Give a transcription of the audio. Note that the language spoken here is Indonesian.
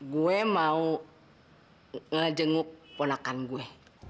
gue mau ngejenguk ponakan gue